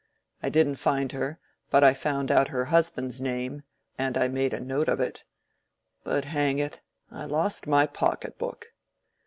I didn't find her, but I found out her husband's name, and I made a note of it. But hang it, I lost my pocketbook.